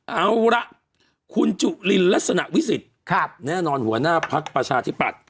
เอาล่ะคุณจุฬินรัชนาวิสิตฯครับแน่นอนหัวหน้าพักภาชาธิปรัชน์